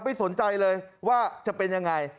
ไม่สนใจเลยว่าจะเป็นยังไง